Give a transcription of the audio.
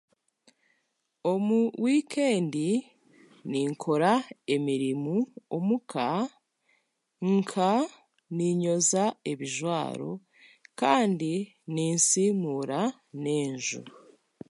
Omu wiikendi ninkora emirimo omuka nka niinyoza ebijwaro kandi ninsiimuura n'enju